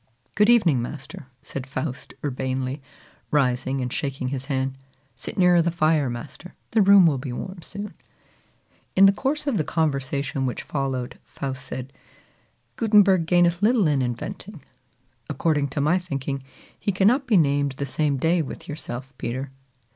"Good evening, master!" said Faust urbanely, rising and shaking his hand. "Sit nearer the fire, master; the room will be warm soon." In the course of the conversation which followed, Faust said, "Gutenberg gaineth little in inventing. According to my thinking, he cannot be named the same day with yourself, Peter.